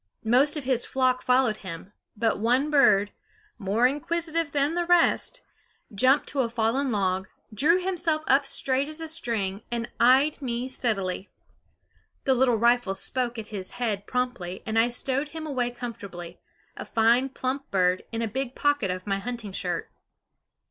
Most of his flock followed him; but one bird, more inquisitive than the rest, jumped to a fallen log, drew himself up straight as a string, and eyed me steadily. The little rifle spoke at his head promptly; and I stowed him away comfortably, a fine plump bird, in a big pocket of my hunting shirt.